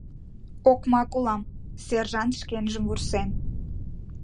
«Окмак улам, — сержант шкенжым вурсен.